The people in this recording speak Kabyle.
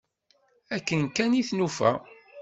Akken kan i t-nufa.